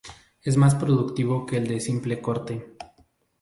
Es más productivo que el de simple corte.